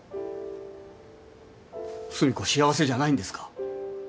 寿美子幸せじゃないんですか？